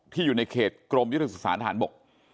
อยู่ในเขตกรมยุทธศึกษาฐานบก